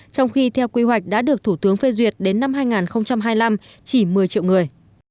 trong khi theo quy hoạch đã được thủ tướng phê duyệt đến năm hai nghìn hai mươi năm chỉ một mươi triệu người